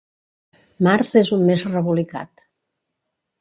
Març és un mes rebolicat.